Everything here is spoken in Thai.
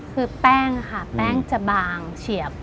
คือแป้งค่ะแป้งจะบางเฉียบ